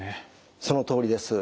そのとおりです。